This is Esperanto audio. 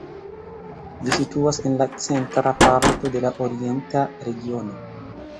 Ĝi situas en la centra parto de la Orienta Regiono.